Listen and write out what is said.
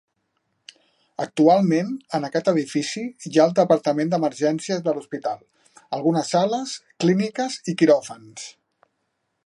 Actualment, en aquest edifici hi ha el departament d'emergències de l'hospital, algunes sales, clíniques i quiròfans.